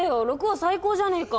６は最高じゃねえか。